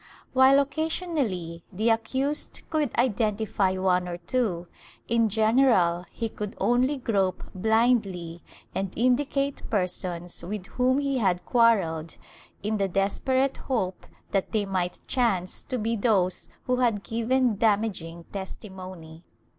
While occasionally the accused could identify one or two, in general he could only grope blindly and indicate persons with whom he had quarrelled, in the desperate hope that they might chance to be those who had given damaging testimony.